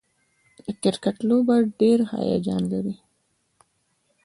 د کرکټ لوبه ډېره هیجان لري.